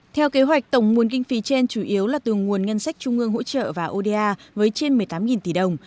theo kế hoạch tổng nguồn kinh phí trên chủ yếu là từ nguồn ngân sách trung ương hỗ trợ và oda với trên một mươi tám tỷ đồng